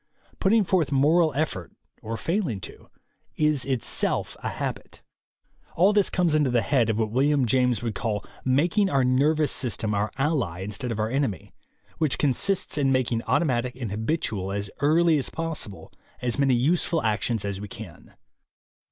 Put ting forth moral effort, or failing to, is itself a habit. All this comes under the head of what William James would call making our nervous system our ally instead of our enemy, which consists in making automatic and habitual, as early as possible, as many useful actions as we can.